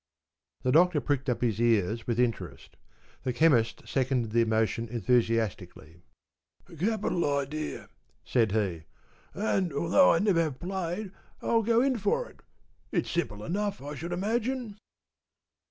The Doctor pricked up his ears with interest. The Chemist seconded the motion enthusiastically. ‘A capital idea,’ said he, ‘and, although I never have played, I'll go in for it. It's simple enough, I should imagine.